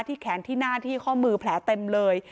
แขนที่หน้าที่ข้อมือแผลเต็มเลย